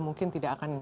mungkin tidak akan